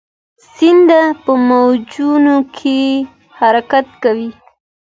د سیند په موجونو کې حرکت کاوه.